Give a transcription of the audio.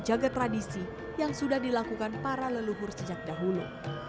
menjaga tradisi yang sudah dilakukan para leluhur sejak dahulu